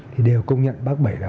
thì đều công nhận bác bảy là